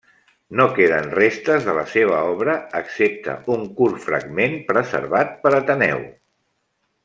No queden restes de la seva obra excepte un curt fragment preservat per Ateneu.